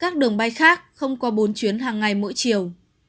các đường bay khác không qua bốn chuyến hàng ngày mỗi chiều